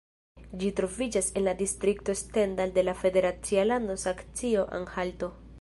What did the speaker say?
Ĝi troviĝas en la distrikto Stendal de la federacia lando Saksio-Anhalto.